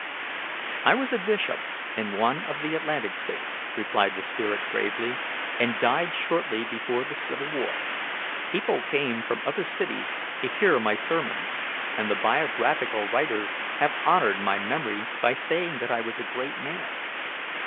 "I was a bishop in one of the Atlantic States," replied the spirit gravely, "and died shortly before the civil war. People came from other cities to hear my sermons, and the biographical writers have honoured my memory by saying that I was a great man.